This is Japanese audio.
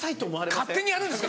勝手にやるんですか？